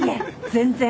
全然。